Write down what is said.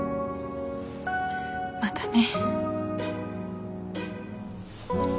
またね。